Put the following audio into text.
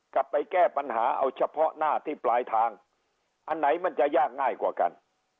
ไปแก้ปัญหาเอาเฉพาะหน้าที่ปลายทางอันไหนมันจะยากง่ายกว่ากัน